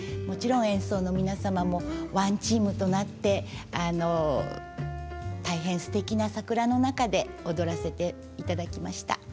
もちろん演奏の皆様もワンチームとなって大変すてきな桜の中で踊らせていただきました。